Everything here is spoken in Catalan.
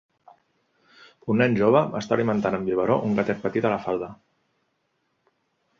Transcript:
Un nen jove està alimentant amb biberó un gatet petit a la falda.